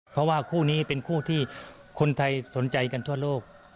เพราะว่าคู่นี้เป็นคู่ที่คนไทยสนใจกันทั่วโลก